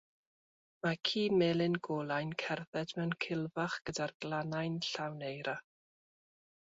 Mae ci melyn golau'n cerdded mewn cilfach gyda'r glannau'n llawn eira.